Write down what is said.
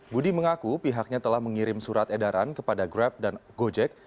budi mengaku pihaknya telah mengirim surat edaran kepada grab dan gojek